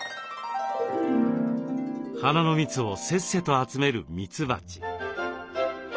花の蜜をせっせと集めるミツバチ。